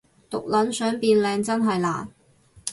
毒撚想變靚真係難